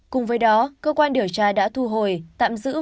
cùng với đó cơ quan điều tra đã thu hồi tạm giữ